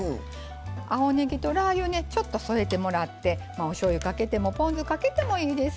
青ねぎとラー油をちょっと添えてもらっておしょうゆかけてもポン酢かけてもいいです。